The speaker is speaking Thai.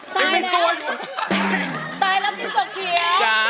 ตายแล้วตายแล้วจิ้งจกเขียว